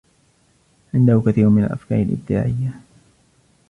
عنده كثيرٌ من الأفكار الإبداعية.